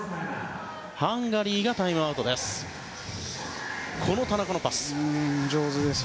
ハンガリーがタイムアウトです。